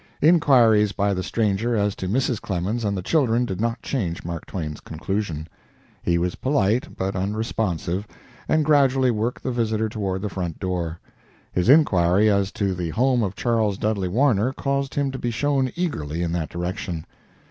Inquiries by the stranger as to Mrs. Clemens and the children did not change Mark Twain's conclusion. He was polite, but unresponsive, and gradually worked the visitor toward the front door. His inquiry as to the home of Charles Dudley Warner caused him to be shown eagerly in that direction.